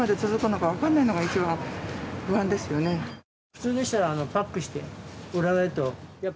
普通でしたらパックして売らないと。